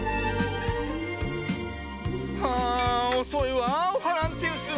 はあおそいわオハランティウス。